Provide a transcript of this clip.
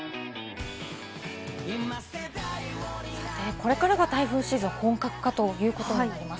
これからが台風シーズン本格化ということになります。